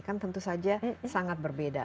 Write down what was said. kan tentu saja sangat berbeda